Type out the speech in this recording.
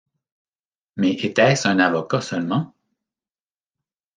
Mais était-ce un avocat seulement?